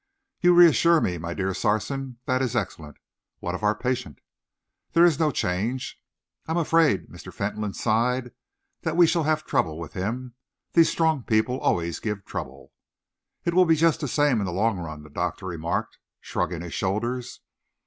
"You reassure me, my dear Sarson. That is excellent. What of our patient?" "There is no change." "I am afraid," Mr. Fentolin sighed, "that we shall have trouble with him. These strong people always give trouble." "It will be just the same in the long run," the doctor remarked, shrugging his shoulders.